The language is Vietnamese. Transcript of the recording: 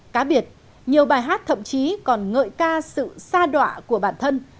cá biệt nhiều bài hát thậm chí còn ngợi ca sự xa đoạ của bản thân